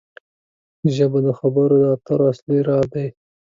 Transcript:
ژبه د خبرو د تاثیر اصلي راز دی